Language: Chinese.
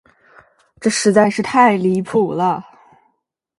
这实在是太离谱了。